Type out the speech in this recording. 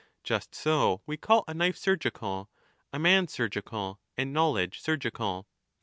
Just so we call a knife surgical, a man surgical, and knowledge surgical.